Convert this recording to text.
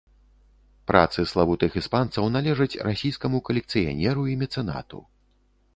Працы славутых іспанцаў належаць расійскаму калекцыянеру і мецэнату.